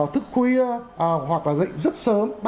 thức khuya hoặc là dậy rất sớm